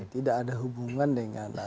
tidak ada hubungan dengan